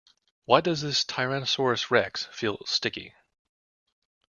Why does this tyrannosaurus rex feel sticky?